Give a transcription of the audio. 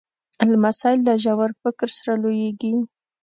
لمسی له ژور فکر سره لویېږي.